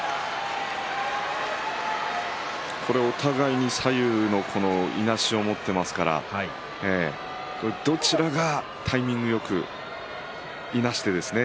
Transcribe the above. お互いに左右のいなしを持っていますからどちらがタイミングよくいなしてですね